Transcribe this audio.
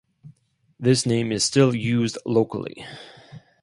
This name is still used locally.